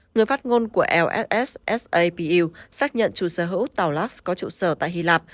người phát ngôn của lssapu xác nhận chủ sở hữu tàu lux có chủ sở tại hy lạp